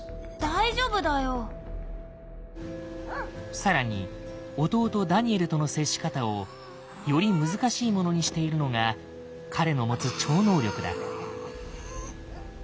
更に弟ダニエルとの接し方をより難しいものにしているのが彼の持つ超能力だ。